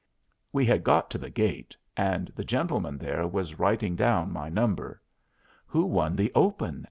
We had got to the gate, and the gentleman there was writing down my number. "Who won the open?"